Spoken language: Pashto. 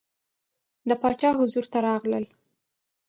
د باچا حضور ته راغلل.